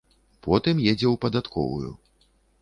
Потым едзе ў падатковую.